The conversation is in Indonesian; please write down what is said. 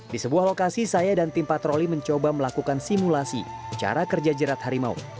di sebuah lokasi saya dan tim patroli mencoba melakukan simulasi cara kerja jerat harimau